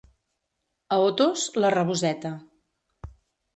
A Otos, la raboseta.